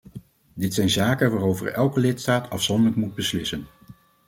Dit zijn zaken waarover elke lidstaat afzonderlijk moet beslissen.